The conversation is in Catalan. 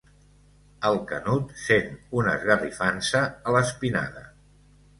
El Canut sent una esgarrifança a l'espinada.